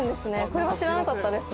これは知らなかったです。